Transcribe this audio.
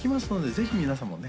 ぜひ皆さんもね